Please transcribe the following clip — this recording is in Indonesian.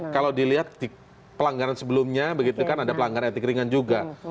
kalau dilihat pelanggaran sebelumnya begitu kan ada pelanggaran etik ringan juga